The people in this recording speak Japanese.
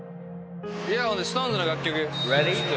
イヤホンでＳｉｘＴＯＮＥＳの楽曲。